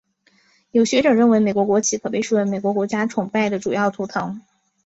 有学者认为美国国旗可被视为美国国家崇拜的主要图腾。